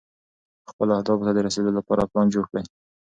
خپلو اهدافو ته د رسېدو لپاره پلان جوړ کړئ.